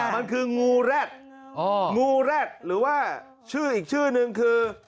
มันคืองูแร็ดงูแร็ดหรือว่าชื่ออีกชื่อนึงคือ